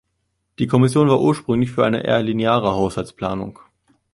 Die Kommission war ursprünglich für eine eher lineare Haushaltsplanung.